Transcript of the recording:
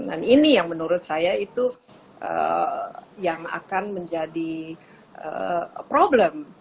dan ini yang menurut saya itu yang akan menjadi problem